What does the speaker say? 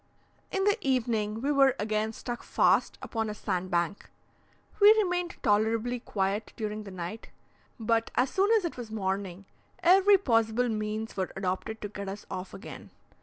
In the evening, we were again stuck fast upon a sandbank. We remained tolerably quiet during the night, but, as soon as it was morning, every possible means were adopted to get us off again.